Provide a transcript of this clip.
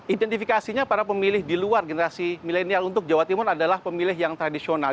identifikasinya para pemilih di luar generasi milenial untuk jawa timur adalah pemilih yang tradisional